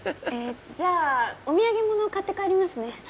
えっじゃあお土産物買って帰りますね。